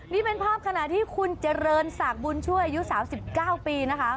นี่เป็นภาพขณะที่คุณเจริญศักดิ์บุญช่วยอายุ๓๙ปีนะคะ